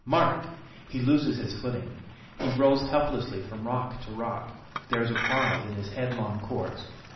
Mark! he loses his footing he rolls helplessly from rock to rock! There is a pause in his headlong course.